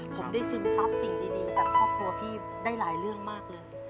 ผมได้ซึมซับสิ่งดีจากครอบครัวพี่ได้หลายเรื่องมากเลย